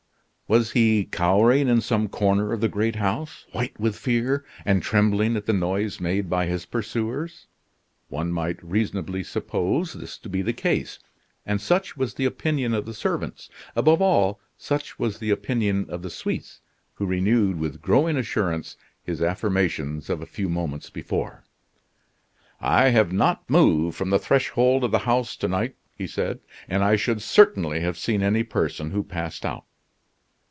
Was he cowering in some corner of the great house, white with fear, and trembling at the noise made by his pursuers? One might reasonably suppose this to be the case; and such was the opinion of the servants. Above all, such was the opinion of the Suisse who renewed with growing assurance his affirmations of a few moments before. "I have not moved from the threshold of the house to night," he said, "and I should certainly have seen any person who passed out."